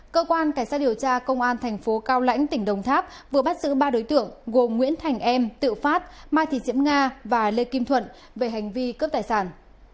cơ quan cảnh sát điều tra công an thành phố cao lãnh tỉnh đồng tháp vừa bắt giữ ba đối tượng gồm nguyễn thành em tự phát mai thị diễm nga và lê kim thuận về hành vi cướp tài sản